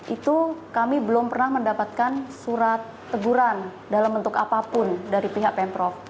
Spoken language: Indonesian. itu kami belum pernah mendapatkan surat teguran dalam bentuk apapun dari pihak pemprov